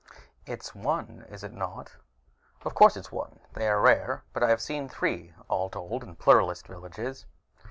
"It's one, is it not?" "Of course it's one. They are rare, but I have seen three, all told, in Pluralist villages."